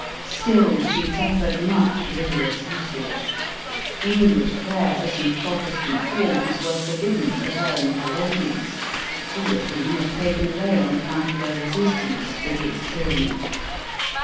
Still she suffered much rigorous usage. English pray ers and' Protestant forms were forbidden to her and ELIZABETH OF ENOLANB. 291 her ladies, two of whom were taken away on account of their resistance to this tyranny.